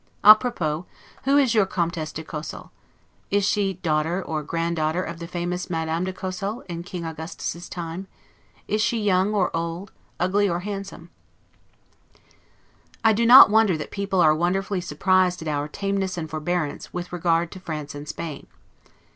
'A propos', Who is your Comtesse de Cosel? Is she daughter, or grand daughter, of the famous Madame de Cosel, in King Augustus's time? Is she young or old, ugly or handsome? I do not wonder that people are wonderfully surprised at our tameness and forbearance, with regard to France and Spain.